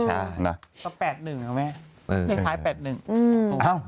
เออใช่น่ะแล้วแปดหนึ่งหรือไม่เออไม่มีท้ายแปดหนึ่งอืมอ้าว